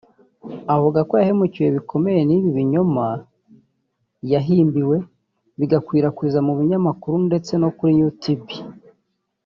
Avuga ko yahemukiwe bikomeye n’ibi binyoma yahimbiwe bigakwirakwizwa mu binyamakuru ndetse no kuri Youtube